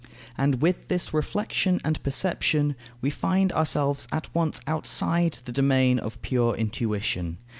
And with this reflexion and perception, we find ourselves at once outside the domain of pure intuition.